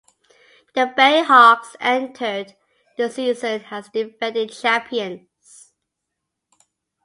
The Bayhawks entered the season as defending champions.